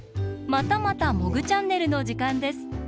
またまた「モグチャンネル」のじかんです。